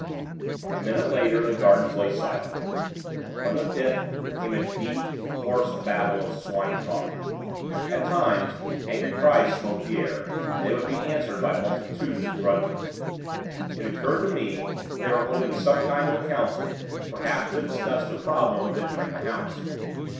A minute later, the gardens lay silent. From the Pit, came a deep, hoarse Babel of swine talk. At times, angry cries smote the air, and they would be answered by multitudinous gruntings. It occurred to me, that they were holding some kind of a council, perhaps to discuss the problem of entering the house.